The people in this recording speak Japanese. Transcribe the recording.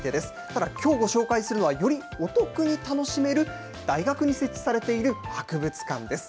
ただ、きょうご紹介するのは、よりお得に楽しめる、大学に設置されている博物館です。